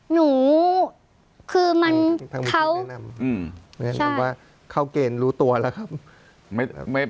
หนูคือท่างผู้ช่วยแนะนำเขาเกณฑ์รู้ตัวแล้วครับ